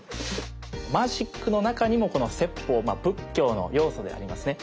マジックの中にもこの説法まあ仏教の要素でありますね